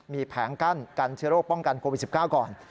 มีแผงกั้นกันเชื้อโรคป้องกันโควิด๑๙ก่อน